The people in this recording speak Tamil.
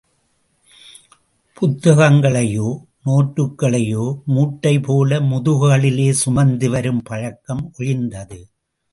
புத்தகங்களையோ நோட்டுக்களையோ மூட்டை போல முதுகுகளிலே சுமந்து வரும் பழக்கம் ஒழிந்தது.